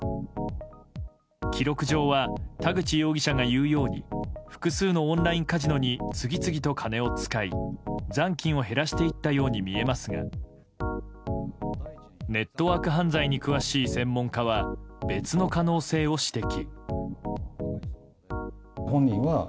記録上は田口容疑者が言うように複数のオンラインカジノに次々と金を使い残金を減らしていったように見えますがネットワーク犯罪に詳しい専門家は別の可能性を指摘。